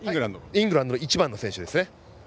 イングランドの１番の選手やります。